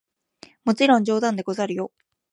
もちろん冗談でござるよ！